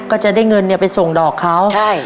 ก็จะได้เงินไปส่งดอกเขาใช่